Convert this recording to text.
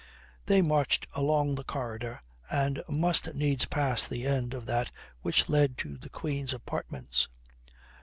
They marched along the corridor and must needs pass the end of that which led to the Queen's apartments.